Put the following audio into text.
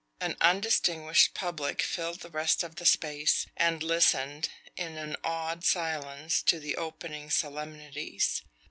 An undistinguished public filled the rest of the space, and listened, in an awed silence, to the opening solemnities.